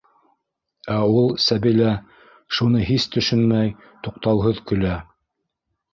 Ә ул, Сәбилә, шуны һис төшөнмәй, туҡтауһыҙ көлә.